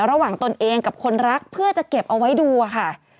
ตนเองกับคนรักเพื่อจะเก็บเอาไว้ดูค่ะ